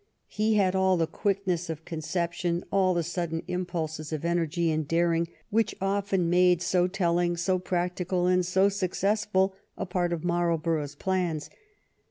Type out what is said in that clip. He had all the quickness of conception, all the sudden impulses of energy and daring which often made so telling, so practical, and so successful a part of Marlborough's plans.